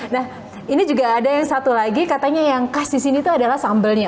nah ini juga ada yang satu lagi katanya yang khas di sini tuh adalah sambelnya